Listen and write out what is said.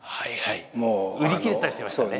売り切れたりしてましたからね。